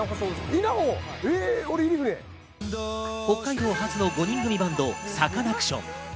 北海道初の５人組バンド、サカナクション。